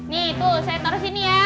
nih itu saya taruh sini ya